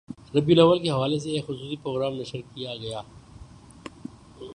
ربیع الاوّل کے حوالے سے ایک خصوصی پروگرام نشر کی گیا